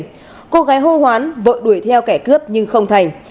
hai con gái hô hoán vội đuổi theo kẻ cướp nhưng không thành